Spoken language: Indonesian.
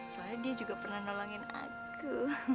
soalnya dia juga pernah nolongin aku